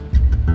ya pak juna